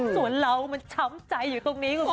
ส่วนเรามันช้ำใจอยู่ตรงนี้คุณผู้ชม